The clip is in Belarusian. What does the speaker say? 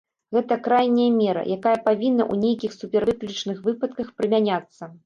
Гэта крайняя мера, якая павінна ў нейкіх супервыключных выпадках прымяняцца.